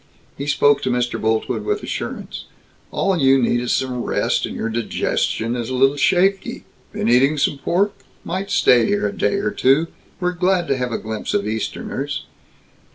He spoke to Mr. Boltwood with assurance: "All you need is some rest, and your digestion is a little shaky. Been eating some pork? Might stay here a day or two. We're glad to have a glimpse of Easterners."